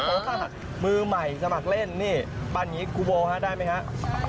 เพราะว่าถ้าหากมือใหม่สมัครเล่นนี่ปั่นอย่างนี้ครูโบได้ไหมครับ